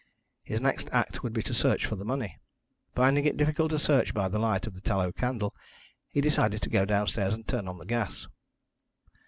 His next act would be to search for the money. Finding it difficult to search by the light of the tallow candle, he decided to go downstairs and turn on the gas.